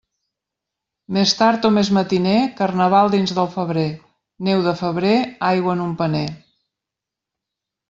Més tard o més matiner, Carnaval, dins del febrer Neu de febrer, aigua en un paner.